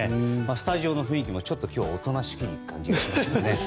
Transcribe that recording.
スタジオの雰囲気もちょっと今日はおとなしい気がします。